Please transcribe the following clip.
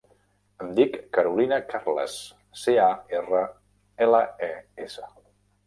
Em dic Carolina Carles: ce, a, erra, ela, e, essa.